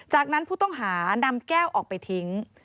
จากนั้นผู้ต้องหานำแก้วออกไปทิ้ง